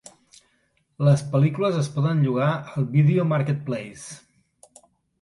Les pel·lícules es poden llogar al Video Marketplace.